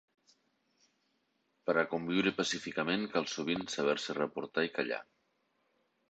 Per a conviure pacíficament cal sovint saber-se reportar i callar.